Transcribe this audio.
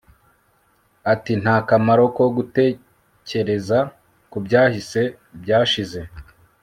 ati nta kamaro ko gutekereza ku byahise byashize